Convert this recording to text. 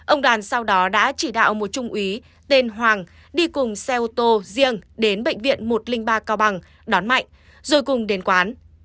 ông đoàn sau đó đã chỉ đạo một trung úy tên hoàng đi cùng xe ô tô riêng đến bệnh viện một trăm linh ba cao bằng đón mạnh rồi cùng đến quán